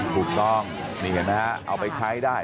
ถูกต้องนี่เห็นไหมฮะเอาไปใช้ได้